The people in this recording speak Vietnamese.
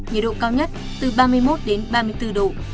nhiệt độ cao nhất từ ba mươi một đến ba mươi bốn độ